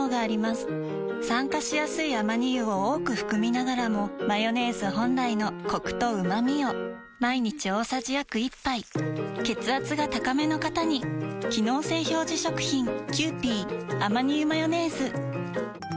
酸化しやすいアマニ油を多く含みながらもマヨネーズ本来のコクとうまみを毎日大さじ約１杯血圧が高めの方に機能性表示食品皆様。